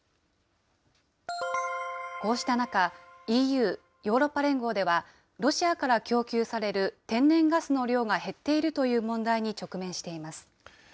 こうした中、ＥＵ・ヨーロッパ連合では、ロシアから供給される天然ガスの量が減っているという問題に直面しています。